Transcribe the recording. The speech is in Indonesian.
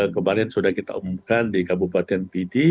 kemarin sudah kita umumkan di kabupaten pidi